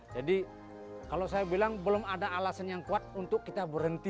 jadi kalau saya bilang belum ada alasan yang kuat untuk kita berhenti